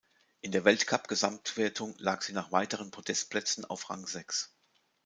In der Weltcup-Gesamtwertung lag sie nach weiteren Podestplätzen auf Rang sechs.